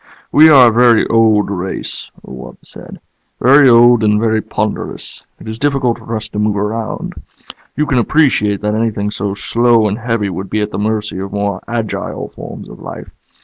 "We are a very old race," the wub said. "Very old and very ponderous. It is difficult for us to move around. You can appreciate that anything so slow and heavy would be at the mercy of more agile forms of life.